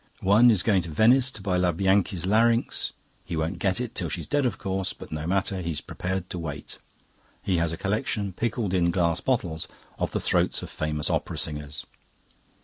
One is going to Venice to buy La Bianchi's larynx; he won't get it till she's dead, of course, but no matter; he's prepared to wait; he has a collection, pickled in glass bottles, of the throats of famous opera singers.